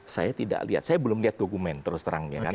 saya tidak lihat saya belum lihat dokumen terus terang